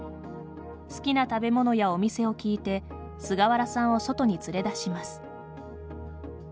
好きな食べ物やお店を聞いて菅原さんを外に連れ出します。